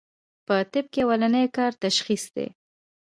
پۀ طب کښې اولنی کار تشخيص دی